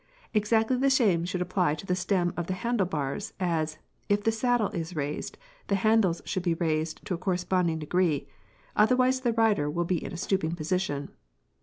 Exactly the same should apply to the stem of the handle bars, as, if the saddle is raised the handles should be raised to a corresponding degree, otherwise the rider will be in a stooping position.